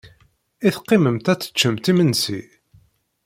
I teqqimemt ad teččemt imensi?